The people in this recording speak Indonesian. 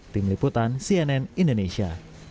tim liputan cnn indonesia